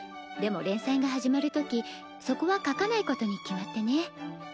でも連載が始まるときそこは描かないことに決まってね。